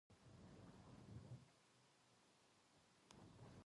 皇位は、世襲のものであつて、国会の議決した皇室典範の定めるところにより、これを継承する。